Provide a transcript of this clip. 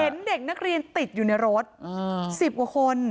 เห็นเด็กนักเรียนติดอยู่ในรถ๑๐กว่าคน